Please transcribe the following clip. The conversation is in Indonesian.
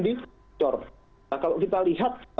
dicor nah kalau kita lihat